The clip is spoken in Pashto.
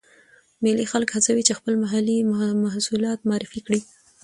مېلې خلک هڅوي، چې خپل محلې محصولات معرفي کړي.